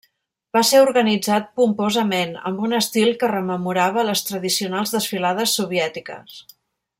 Va ser organitzat pomposament, amb un estil que rememorava les tradicionals desfilades soviètiques.